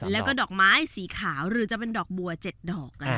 แล้วก็ดอกไม้สีขาวหรือจะเป็นดอกบัว๗ดอก